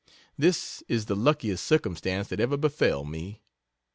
This is the luckiest circumstance that ever befell me.